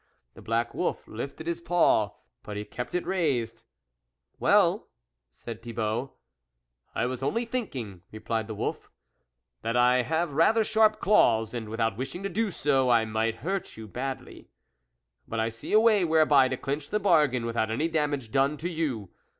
The black wolf lifted his paw, but he kept it raised. Well ?" said Thibault. " I was only thinking," replied the wolf, "that I have rather sharp claws, and, without wishing to do so, I might hurt you badly ; but I see a way whereby to clinch the bargain without any damage done to you.